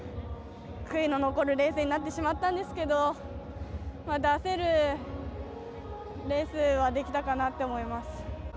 悔いの残るレースになってしまったんですけど出せるレースはできたかなと思います。